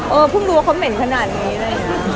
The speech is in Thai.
เออพึ่งรู้ว่าเขาเหม็นขนาดนี้ได้ยังไง